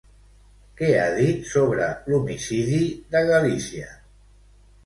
Què ha dit sobre l'homicidi de Galizia?